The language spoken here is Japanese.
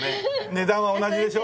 値段は同じでしょ？